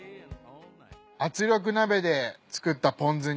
圧力鍋で作ったポン酢煮。